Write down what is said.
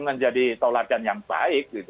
menjadi tolakan yang baik